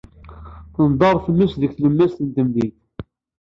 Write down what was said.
Tender tmes deg tlemmast n temdint.